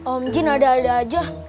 om jin ada ada aja